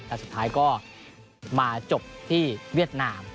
แต่สุดท้ายก็มาจบที่เวียดนาม